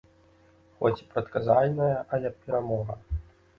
Хоць і прадказальная, але перамога.